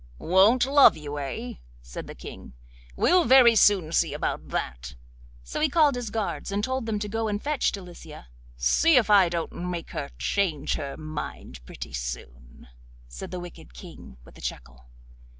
'Won't love you? eh!' said the King. 'We'll very soon see about that!' So he called his guards and told them to go and fetch Delicia. 'See if I don't make her change her mind pretty soon!' said the wicked King with a chuckle.